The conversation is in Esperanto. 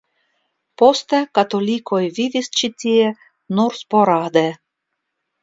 Poste katolikoj vivis ĉi tie nur sporade.